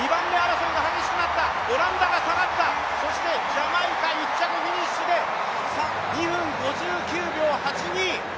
ジャマイカ１着フィニッシュで２分５９秒８２。